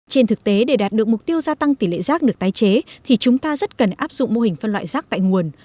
trên thực tế để đạt được mục tiêu gia tăng tỷ lệ rác được tái chế thì chúng ta rất cần áp dụng mô hình phân loại rác tại nguồn